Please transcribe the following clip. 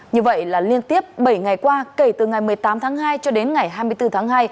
như vậy là liên tiếp bảy ngày qua kể từ ngày một mươi tám tháng hai cho đến ngày hai mươi bốn tháng hai